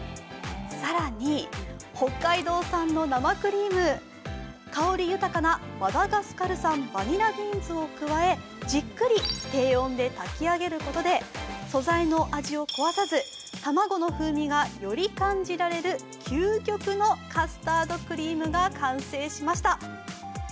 更に、北海道産の生クリーム香り豊かなマダガスカル産バニラビーンズを加えじっくり低温で炊き上げることで素材の味を壊さず卵の風味がより感じられる究極のカスタードクリームが完成しました。